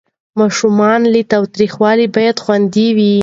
ماشومان له تاوتریخوالي باید خوندي وي.